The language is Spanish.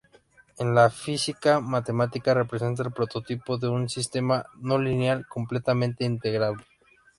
En la física-matemática representa el prototipo de un sistema no lineal completamente integrable.